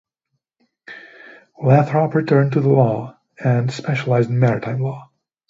Lathrop returned to the law and specialized in maritime law.